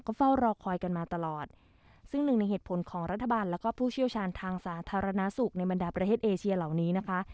เฝ้ารอคอยกันมาตลอดซึ่งหนึ่งในเหตุผลของรัฐบาลแล้วก็ผู้เชี่ยวชาญทางสาธารณสุขในบรรดาประเทศเอเชียเหล่านี้นะคะ